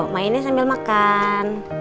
mainnya sambil makan